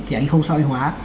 thì anh không sợi hóa